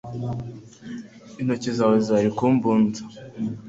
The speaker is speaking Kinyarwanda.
Intoki zawe zari ku mbunda.